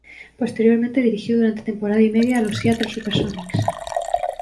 Posteriormente dirigió durante temporada y media a los Seattle Supersonics.